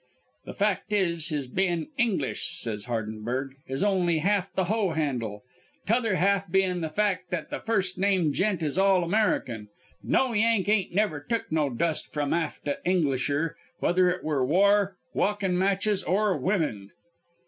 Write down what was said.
"'The fact o' his bein' English,' says Hardenberg, 'is only half the hoe handle. 'Tother half being the fact that the first named gent is all American. No Yank ain't never took no dust from aft a Englisher, whether it were war, walkin' matches, or women.'